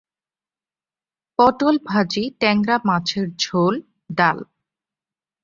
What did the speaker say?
পটল ভাজি, টেংরা মাছের ঝোল, ডাল।